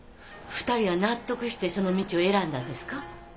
２人は納得してその道を選んだんですか？